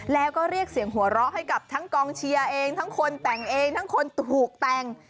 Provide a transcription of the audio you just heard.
แล้วก็เรียกเสียงหัวเราะให้กับทั้งกองเชียร์เองทั้งคนแต่งเองทั้งคนถูกแต่ง